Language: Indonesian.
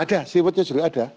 ada stewardnya sudah ada